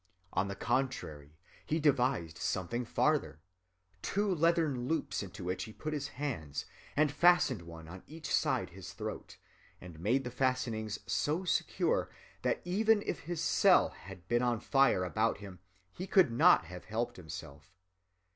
On the contrary, he devised something farther—two leathern loops into which he put his hands, and fastened one on each side his throat, and made the fastenings so secure that even if his cell had been on fire about him, he could not have helped himself.